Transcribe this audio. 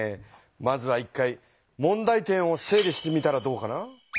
まずは１回問題点を整理してみたらどうかな？